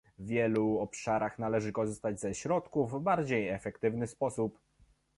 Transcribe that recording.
W wielu obszarach należy korzystać ze środków w bardziej efektywny sposób